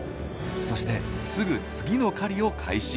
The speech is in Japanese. そしてすぐ次の狩りを開始。